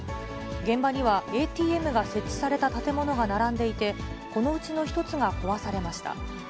現場にはＡＴＭが設置された建物が並んでいて、このうちの１つが壊されました。